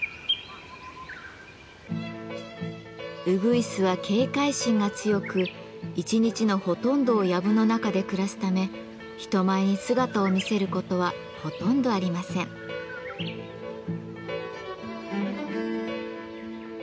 うぐいすは警戒心が強く１日のほとんどをやぶの中で暮らすため人前に姿を見せることはほとんどありません。